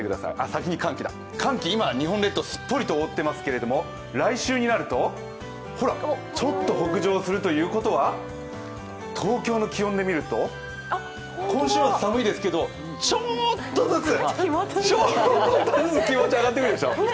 寒気、今、日本列島をすっぽりと覆っていますけれども、来週になると、ほら、ちょっと北上するということは、東京の気温で見ると、今週末寒いですけどちょーっとずつ、ちょーっとずつ気持ち、上がっていくでしょ？